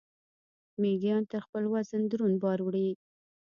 میږیان تر خپل وزن دروند بار وړي